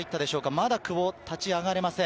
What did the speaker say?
まだ久保は立ち上がれません。